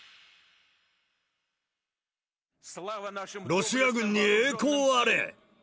ロシア軍に栄光あれ！